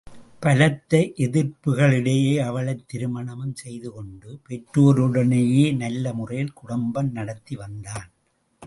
பலத்த எதிர்ப்புக்கிடையே அவளைத் திருமணமும் செய்துகொண்டு, பெற்றோருடனேயே நல்ல முறையில் குடும்பம் நடத்திவந்தான்.